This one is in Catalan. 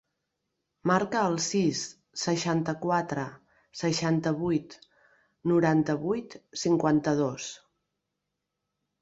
Marca el sis, seixanta-quatre, seixanta-vuit, noranta-vuit, cinquanta-dos.